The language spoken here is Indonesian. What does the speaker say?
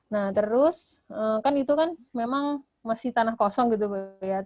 nah terus kan itu kan memang masih tanah kosong gitu ya